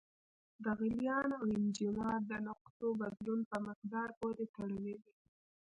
د غلیان او انجماد د نقطو بدلون په مقدار پورې تړلی دی.